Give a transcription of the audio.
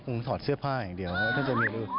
มันถอดเสื้อผ้าอย่างเดียว